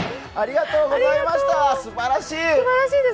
すばらしい！